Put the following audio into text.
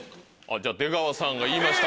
じゃあ出川さんが言いました。